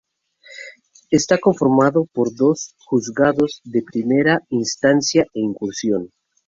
Está conformado por dos juzgados de primera instancia e instrucción.